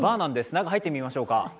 中に入ってみましょうか。